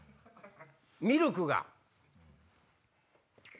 ミルクが。